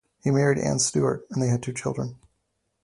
He married Anne Stewart and they had two children.